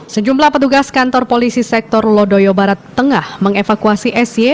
sejumlah petugas kantor polisi sektor lodoyo barat tengah mengevakuasi sy